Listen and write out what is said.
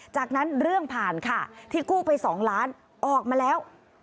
จากนั้นเรื่องผ่านค่ะที่กู้ไป๒ล้านออกมาแล้ว